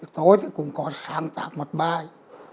tôi thì cũng còn sáng tạo một bài